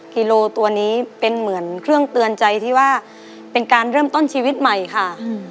กิโลตัวนี้เป็นเหมือนเครื่องเตือนใจที่ว่าเป็นการเริ่มต้นชีวิตใหม่ค่ะ